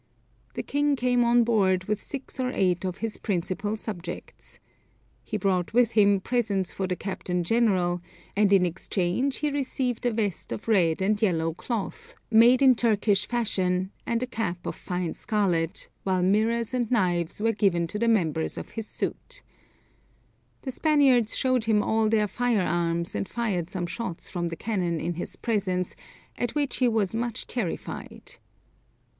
The king came on board with six or eight of his principal subjects. He brought with him presents for the captain general, and in exchange he received a vest of red and yellow cloth, made in Turkish fashion, and a cap of fine scarlet, while mirrors and knives were given to the members of his suite. The Spaniards showed him all their fire arms and fired some shots from the cannon in his presence, at which he was much terrified.